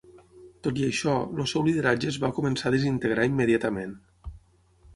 Tot i això, el seu lideratge es va començar a desintegrar immediatament.